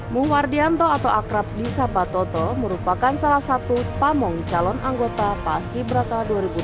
muhwardianto atau akrab di sabatoto merupakan salah satu pamung calon anggota paski beraka dua ribu dua puluh tiga